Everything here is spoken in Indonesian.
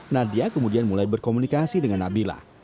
nadia kemudian mulai berkomunikasi dengan nabila